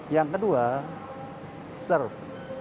yang kedua serve